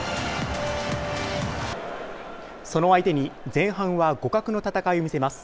その相手に前半は互角の戦いを見せます。